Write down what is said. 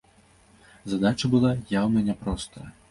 Задача была яўна не простая.